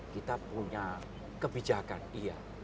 kita punya kebijakan iya